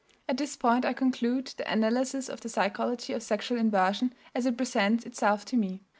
At this point I conclude the analysis of the psychology of sexual inversion as it presents itself to me.